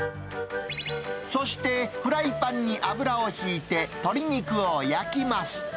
そしてフライパンに油を引いて鶏肉を焼きます。